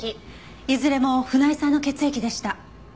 いずれも船井さんの血液でした。